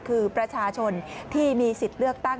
คือประชาชนที่มีสิทธิ์เลือกตั้ง